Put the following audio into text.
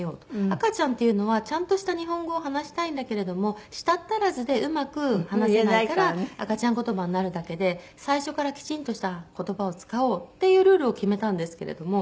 赤ちゃんっていうのはちゃんとした日本語を話したいんだけれども舌足らずでうまく話せないから赤ちゃん言葉になるだけで最初からきちんとした言葉を使おうっていうルールを決めたんですけれども。